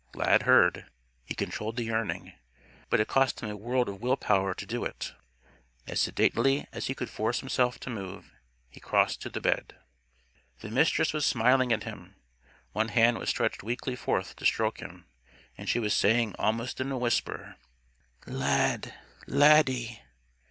_" Lad heard. He controlled the yearning. But it cost him a world of will power to do it. As sedately as he could force himself to move, he crossed to the bed. The Mistress was smiling at him. One hand was stretched weakly forth to stroke him. And she was saying almost in a whisper, "Lad! Laddie!"